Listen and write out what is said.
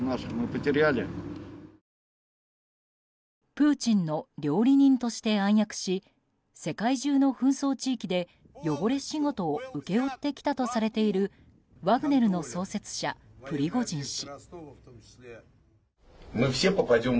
プーチンの料理人として暗躍し世界中の紛争地域で、汚れ仕事を請け負ってきたとされているワグネルの創設者プリゴジン氏。